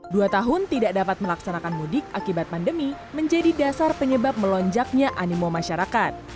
dua tahun tidak dapat melaksanakan mudik akibat pandemi menjadi dasar penyebab melonjaknya animo masyarakat